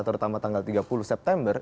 terutama tanggal tiga puluh september